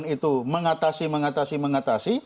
itu mengatasi mengatasi mengatasi